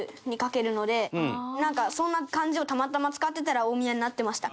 なんかそんな漢字をたまたま使ってたら「大宮」になってました。